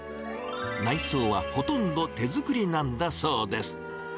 内装はほとんど手作りなんだそうです。